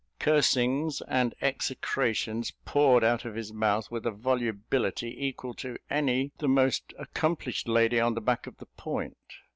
Cursings and execrations poured out of his mouth with a volubility equal to any the most accomplished lady on the back of the Point.